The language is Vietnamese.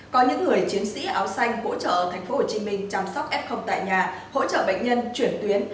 có những người chiến sĩ áo xanh hỗ trợ tp hcm chăm sóc f tại nhà hỗ trợ bệnh nhân chuyển tuyến